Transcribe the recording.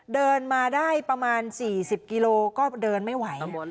เดินมาได้ประมาณ๔๐กิโลก็เดินไม่ไหว